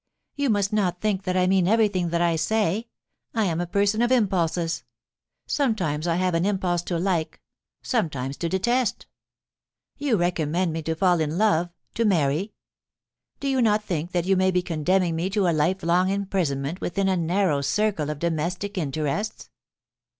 * You must not think that I mean everything that I say. I am a person of impulses. Sometimes I have an impulse to like ; sometimes to detest You recommend me to fall in love — to marr}'. Do you not think that you may be condemning me to a lifelong imprisonment within a narrow circle of domestic interests.'